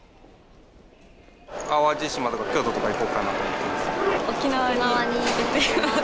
淡路島とか京都とか行こうか沖縄に行ってきます。